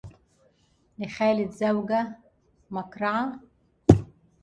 لخالد زوجة مكرعة